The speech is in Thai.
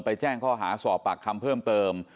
แจ้งข้อหาสอบปากคำเพิ่มเติม